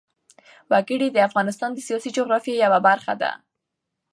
وګړي د افغانستان د سیاسي جغرافیه یوه برخه ده.